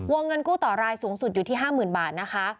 เงินกู้ต่อรายสูงสุดอยู่ที่๕๐๐๐บาทนะคะ